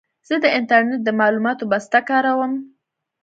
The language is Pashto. زه د انټرنېټ د معلوماتو بسته کاروم.